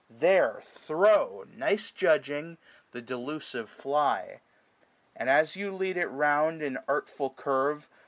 There throw, nice judging, the delusive fly ; 405 And as you lead it round in artful curve.